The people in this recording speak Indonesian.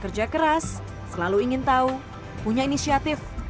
kerja keras selalu ingin tahu punya inisiatif